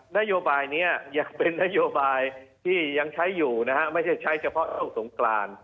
นโยบายนี้ยังเป็นนโยบายที่ยังใช้อยู่นะฮะไม่ใช่ใช้เฉพาะช่วงสงกราน